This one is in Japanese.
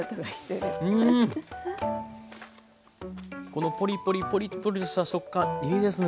このポリポリポリポリとした食感いいですね！